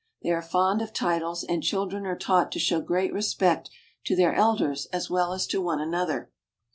They are fond of titles, and children are taught to show great respect to their elders as well as to one another.